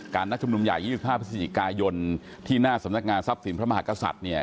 นัดชุมนุมใหญ่๒๕พฤศจิกายนที่หน้าสำนักงานทรัพย์สินพระมหากษัตริย์เนี่ย